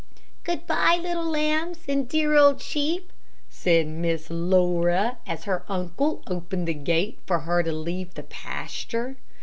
"Good bye, little lambs and dear old sheep," said Miss Laura, as her uncle opened the gate for her to leave the pasture.